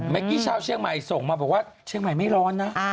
ชาวเชียงใหม่ส่งมาบอกว่าเชียงใหม่ไม่ร้อนนะ